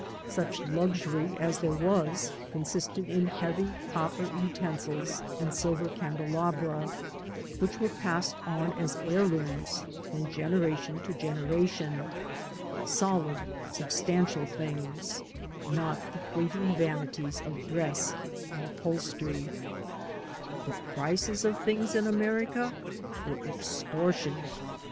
Such luxury as there was consisted in heavy copper utensils and silver candelabra, which were passed on as heirlooms from generation to generation — ^solid» substantial things, not the fleeting vanities of dress and upholsterer. The pnces of things in America were extortionate.